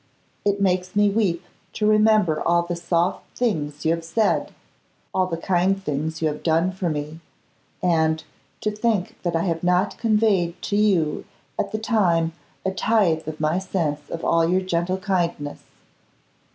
It makes me weep to remember all the soft things you have said, all the kind things you have done for me, and to think that I have not conveyed to you at the time a tithe of my sense of all your gentle kindness.